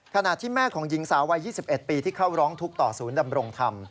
ขณะที่แม่ของหญิงสาววัย๒๑ปีที่เข้าร้องทุกข์ต่อศูนย์ดำรงธรรม